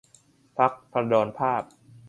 พรรคภราดรภาพ